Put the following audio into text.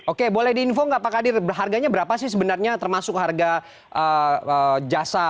oke boleh diinfo nggak pak kadir harganya berapa sih sebenarnya termasuk harga jasa